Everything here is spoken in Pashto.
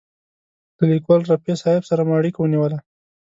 له لیکوال رفیع صاحب سره مو اړیکه ونیوله.